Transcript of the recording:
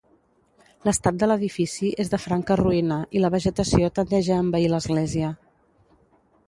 L'estat de l'edifici és de franca ruïna i la vegetació tendeix a envair l'església.